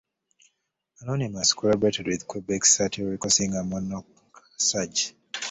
Anonymus collaborated with Quebec satirical singer Mononc' Serge.